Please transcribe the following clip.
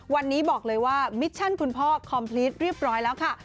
วันนี้บอกเลยว่ามิชชั่นคุณพ่อคอมพลีตเรียบร้อยแล้วค่ะ